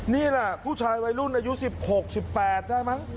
นี่แหละผู้ชายวัยรุ่นอายุ๑๖๑๘ได้มั้ง